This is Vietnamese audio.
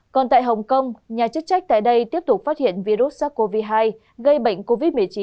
còn tại hồng kông nhà chức trách tại đây tiếp tục phát hiện virus sars cov hai gây bệnh covid một mươi chín